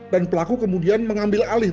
dan pelaku kemudian mengambil alih